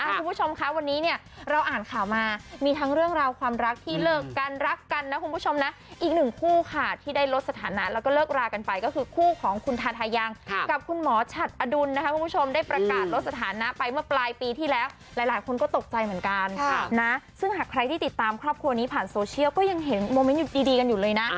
คุณผู้ชมคะวันนี้เนี่ยเราอ่านข่าวมามีทั้งเรื่องราวความรักที่เลิกกันรักกันนะคุณผู้ชมนะอีกหนึ่งคู่ค่ะที่ได้ลดสถานะแล้วก็เลิกรากันไปก็คือคู่ของคุณทาทายังกับคุณหมอฉัดอดุลนะคะคุณผู้ชมได้ประกาศลดสถานะไปเมื่อปลายปีที่แล้วหลายคนก็ตกใจเหมือนกันนะซึ่งหากใครที่ติดตามครอบครัวนี้ผ่านโซเชียลก็ยังเห็นโมเมนต์ดีกันอยู่เลยนะ